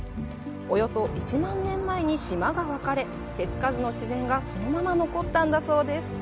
およそ１万年前に島が分かれ手つかずの自然がそのまま残ったんだそうです。